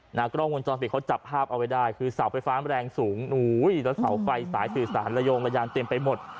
กล้องวงจรปิดเขาจับภาพเอาไว้ได้คือเสาไฟฟ้าแรงสูงอุ้ยแล้วเสาไฟสายสื่อสารระโยงระยางเต็มไปหมด